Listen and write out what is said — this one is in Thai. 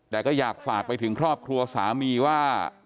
แต่ก็อยากฝากไปถึงครอบครัวสามีว่า